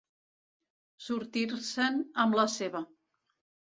Sortir-se'n amb la seva.